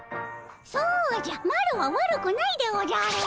そうじゃマロは悪くないでおじゃる！